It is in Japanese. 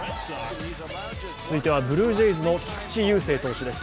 続いては、ブルージェイズの菊池雄星投手です。